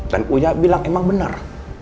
dan uya bilang emang bener